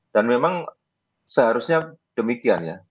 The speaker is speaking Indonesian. dan memang seharusnya demikian ya